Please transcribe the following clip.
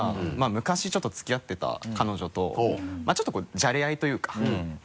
昔ちょっと付き合ってた彼女とちょっとじゃれ合いというか。